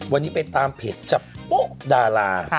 วันนี้ไปตามเพจจับโป๊ะดารา